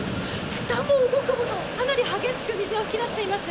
ふたも動くほどかなり激しく水が噴き出しています。